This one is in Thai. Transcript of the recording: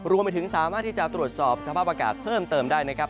รวมไปถึงสามารถที่จะตรวจสอบสภาพอากาศเพิ่มเติมได้นะครับ